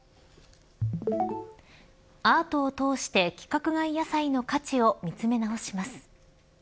アートを通して規格外野菜の価値を見つめ直します。